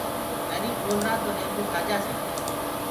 دري کولرآ توڏيمڀوُ کآ جآسيٚ